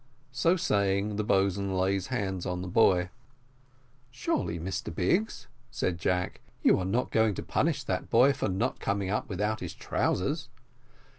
So saying, the boatswain lays hold of the boy. "Surely, Mr Biggs," said Jack, "you are not going to punish that boy for not coming up without his trousers!"